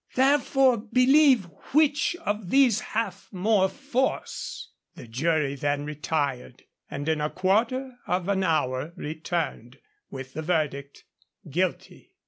Therefore believe which of these hath more force.' The jury then retired; and in a quarter of an hour returned with the verdict 'Guilty.'